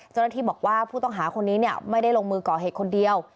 เจ้าหน้าที่บอกว่าผู้ต้องหาคนนี้ไม่ได้ลงมือก่อเหตุคนเดียว